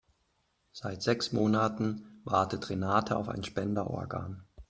Seit sechs Monaten wartet Renate auf ein Spenderorgan.